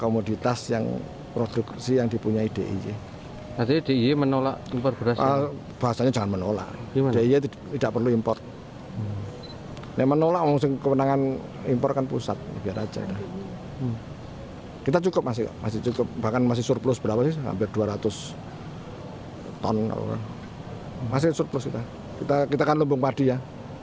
masih surplus kita kita kan lumbung padi ya